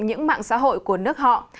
những mạng xã hội của nước họ